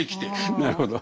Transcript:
なるほど。